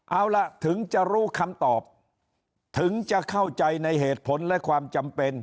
เอาล่ะถึงจะรู้คำตอบถึงจะเข้าใจในเหตุผลและความจำเป็น